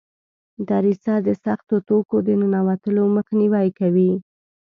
دریڅه د سختو توکو د ننوتلو مخنیوی کوي.